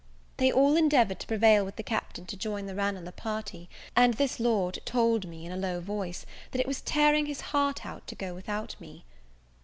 They all endeavoured to prevail with the Captain to join the Ranelagh party; and this lord told me, in a low voice, that it was tearing his heart out to go without me.